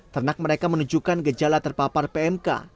ternak mereka menunjukkan gejala terpapar pmk